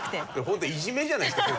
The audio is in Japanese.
ホントいじめじゃないですか？